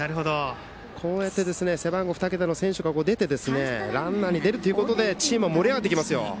こうやって背番号２桁の選手が出てランナーに出るということでチームが盛り上がっていきます。